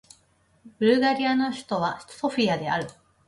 ブルガリアの首都はソフィアである